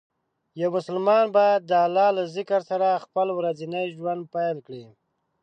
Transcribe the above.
یو مسلمان باید د الله له ذکر سره خپل ورځنی ژوند پیل کړي.